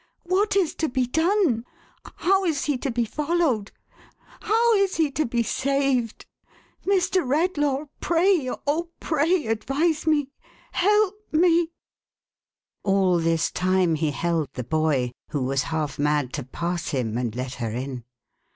What is to be done ? How is he to be followed ? How is he to be saved ? Mr. Rediaw. pray, oh, pray, advise me ! Help me !" PRAYER FOR RELIEF. 493 All this time he held the boy, who was half mad to pass him, and let her in.